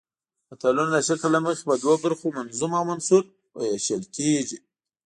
متلونه د شکل له مخې په دوو برخو منظوم او منثور ویشل کیږي